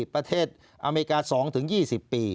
ประเทศอเมริกา๒๒๐ปี